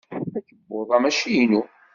Akebbuḍ-a mačči inu.